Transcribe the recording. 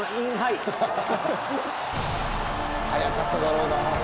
速かっただろうな。